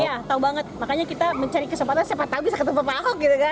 iya tau banget makanya kita mencari kesempatan siapa tau bisa ketemu pak ahok